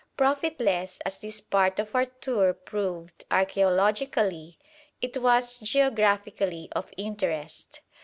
Profitless as this part of our tour proved archæologically, it was geographically of interest.